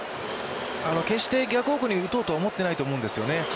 決して逆方向に打とうとは思ってないと思うんですよね。